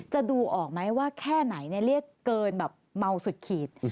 จะดูออกไหมว่าแค่ไหนเรียกเกินแบบเมาสุดขีด